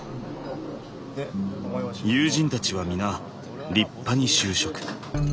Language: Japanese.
友人たちは皆立派に就職。